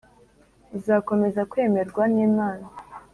uzakomeza kwemerwa n’Imana